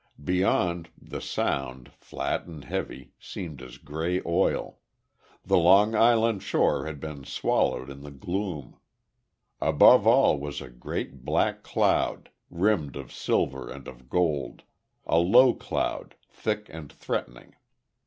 Beyond, the Sound, flat and heavy, seemed as gray oil. The Long Island shore had been swallowed in the gloom. Above all was a great, black cloud, rimmed of silver and of gold, a low cloud, thick and threatening.